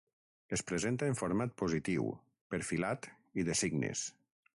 Es presenta en format positiu, perfilat i de signes.